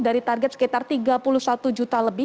dari target sekitar tiga puluh satu juta lebih